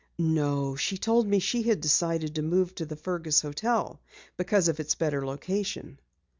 "No, she told me she had decided to move to the Fergus hotel because of its better location."